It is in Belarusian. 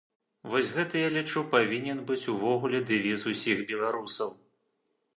Вось гэта, я лічу, павінен быць увогуле дэвіз усіх беларусаў.